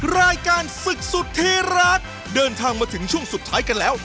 รายการศึกสุดที่รักเดินทางมาถึงช่วงสุดท้ายกันแล้ว